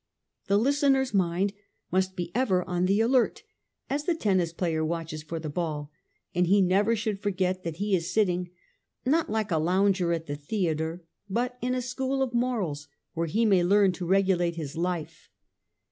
The listener's mind must be ever on the alert, 'as the tennis player watches for the ball,' and he never should forget that he is sitting, not like a lounger at the theatre, but in a school of morals where he may learn to regulate his life.